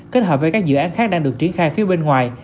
kết hợp với các dự án khác đang được triển khai phía bên ngoài